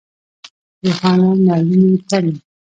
روښانه مالومې تمې.